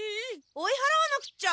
追いはらわなくっちゃ！